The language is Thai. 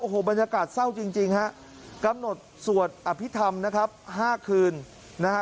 โอ้โหบรรยากาศเศร้าจริงฮะกำหนดสวดอภิษฐรรมนะครับ๕คืนนะฮะ